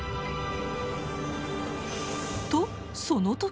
とその時。